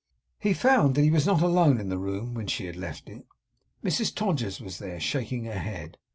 He found that he was not alone in the room when she had left it. Mrs Todgers was there, shaking her head.